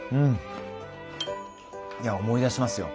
いや思い出しますよ。